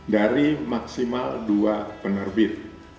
dari maksimal dua penerbit